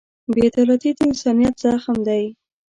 بېعدالتي د انسانیت زخم دی.